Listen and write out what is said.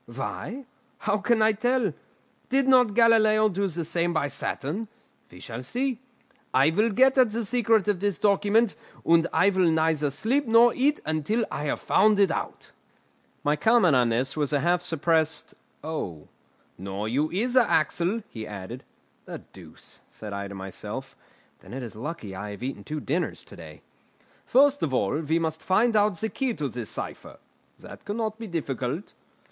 Why? How can I tell? Did not Galileo do the same by Saturn? We shall see. I will get at the secret of this document, and I will neither sleep nor eat until I have found it out." My comment on this was a half suppressed "Oh!" "Nor you either, Axel," he added. "The deuce!" said I to myself; "then it is lucky I have eaten two dinners to day!" "First of all we must find out the key to this cipher; that cannot be difficult."